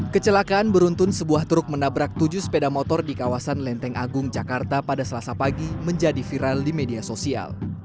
kecelakaan beruntun sebuah truk menabrak tujuh sepeda motor di kawasan lenteng agung jakarta pada selasa pagi menjadi viral di media sosial